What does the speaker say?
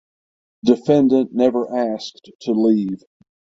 Defendant never asked to leave.